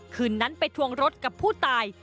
คืนนั้นไปทวงรถกับผู้ตาย